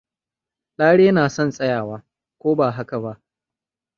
Lare na son tsayawa, ko ba haka ba?